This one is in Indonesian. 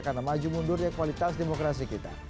karena maju mundurnya kualitas demokrasi kita